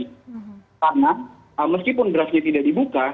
karena meskipun draftnya tidak dibuka